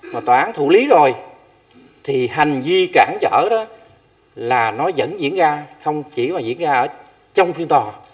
mà tòa án thủ lý rồi thì hành vi cản trở đó là nó vẫn diễn ra không chỉ mà diễn ra trong phiên tòa